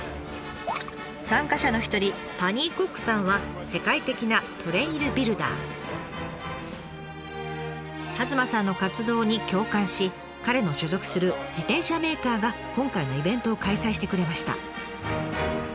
参加者の一人弭間さんの活動に共感し彼の所属する自転車メーカーが今回のイベントを開催してくれました。